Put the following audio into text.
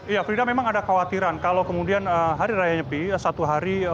ya frida memang ada khawatiran kalau kemudian hari raya nyepi satu hari